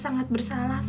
tetap di thriving mas